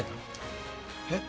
えっ？